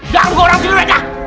jangan buka orang sendiri